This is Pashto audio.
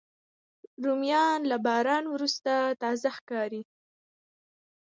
رومیان له باران وروسته تازه ښکاري